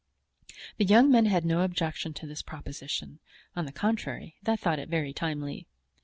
The young men had no objection to this proposition; on the contrary, they thought it very timely.